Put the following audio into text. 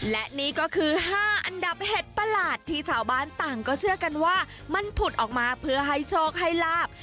และนี่ก็คือ๕อันดับเห็ดประหลาดที่ชาวบ้านต่างก็เชื่อกันว่ามันผุดออกมาเพื่อให้โชคให้ลาบ